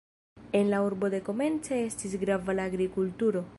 En la urbo dekomence estis grava la agrikulturo.